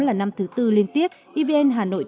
là năm thứ bốn liên tiếp evn hà nội